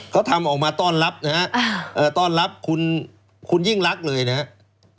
เขาทำออกมาต้อนรับนะฮะต้อนรับคุณยิ่งรักเลยนะครับ